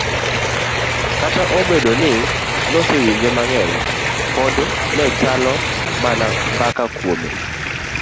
kata obedo ni nosewinje mang'eny, pod ne ochalo mana mbaka kuome.